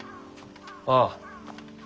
ああ。